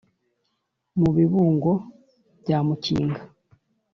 mu bibungo bya mukinga,